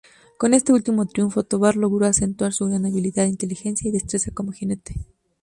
Con este último triunfo, Tovar logró acentuar su gran habilidad, inteligencia y destreza como jinete.